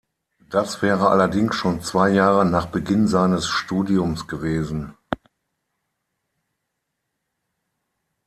Das wäre allerdings schon zwei Jahre nach Beginn seines Studiums gewesen.